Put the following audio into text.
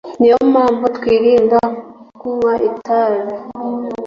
Ni yo mpamvu twirinda kunywa itabi